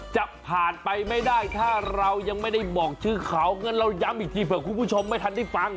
จะผ่านไปไม่ได้ถ้าเรายังไม่ได้บอกชื่อเขางั้นเราย้ำอีกทีเผื่อคุณผู้ชมไม่ทันได้ฟัง